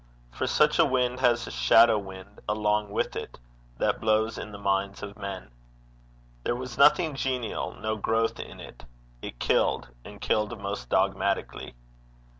For such a wind has a shadow wind along with it, that blows in the minds of men. There was nothing genial, no growth in it. It killed, and killed most dogmatically.